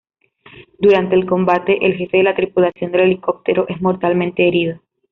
Durante el combate, el jefe de la tripulación del helicóptero es mortalmente herido.